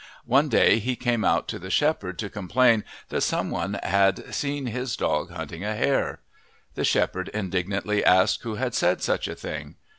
One day he came out to the shepherd to complain that some one had seen his dog hunting a hare. The shepherd indignantly asked who had said such a thing.